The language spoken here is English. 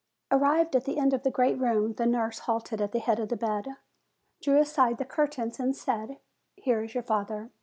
Arrived at the end of the great room, the nurse halted at the head of a bed, drew aside the curtains and said, "Here is your father."